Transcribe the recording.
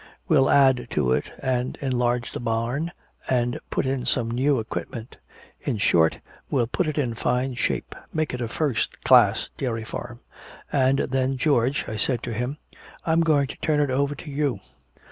We'll add to it and enlarge the barn and put in some new equipment. In short, we'll put it in fine shape, make it a first class dairy farm. 'And then, George,' I said to him, 'I'm going to turn it over to you.